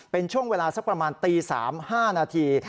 เป็นช่วงเวลาสักประมาณตี๓๕นาที